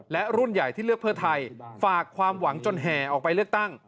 และรุ่นใหญ่ที่เลือกเพื่อไทยฝากความหวังจนแห่ออกไปเลือกตั้ง